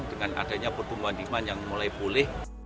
dengan adanya pertumbuhan demand yang mulai pulih